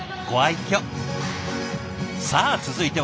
さあ続いては？